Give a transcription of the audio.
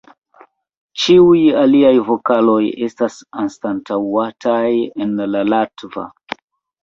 Ĉiuj aliaj vokaloj estas anstataŭataj en la latva.